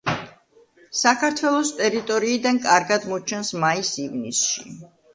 საქართველოს ტერიტორიიდან კარგად მოჩანს მაის-ივნისში.